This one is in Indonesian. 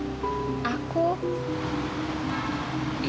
aku takut banget datang ke sana lagi wi